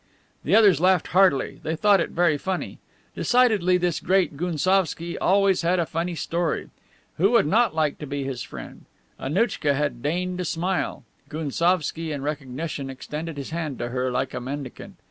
The others laughed heartily. They thought it very funny. Decidedly this great Gounsovski always had a funny story. Who would not like to be his friend? Annouchka had deigned to smile. Gounsovski, in recognition, extended his hand to her like a mendicant.